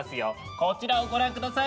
こちらをご覧ください。